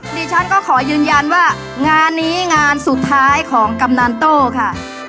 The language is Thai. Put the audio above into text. ดิฉันก็ขอยืนยันว่างานนี้งานสุดท้ายของกำนันโต้ค่ะ